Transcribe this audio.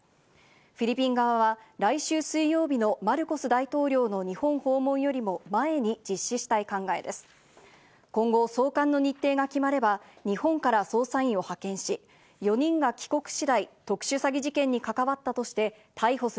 フィリピン側は来週水曜日のマルコス大統領の日本訪問よりも前に実施したい考えです。